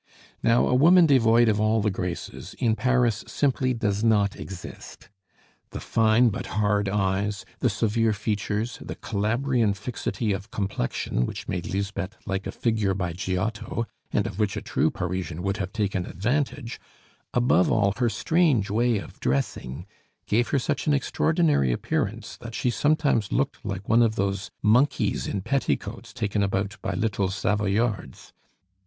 Now a woman devoid of all the graces, in Paris simply does not exist. The fine but hard eyes, the severe features, the Calabrian fixity of complexion which made Lisbeth like a figure by Giotto, and of which a true Parisian would have taken advantage, above all, her strange way of dressing, gave her such an extraordinary appearance that she sometimes looked like one of those monkeys in petticoats taken about by little Savoyards.